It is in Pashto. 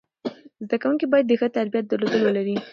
زده کوونکي باید د ښه تربیت درلودل ولري.